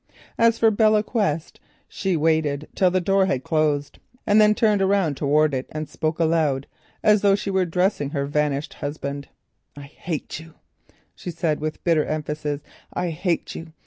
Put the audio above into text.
As for Belle Quest, she waited till the door had closed, and then turned round towards it and spoke aloud, as though she were addressing her vanished husband. "I hate you," she said, with bitter emphasis. "I hate you.